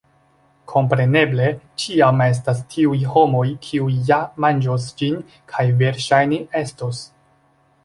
Kompreneble, ĉiam estas tiuj homoj kiuj ja manĝos ĝin kaj versaĵne estos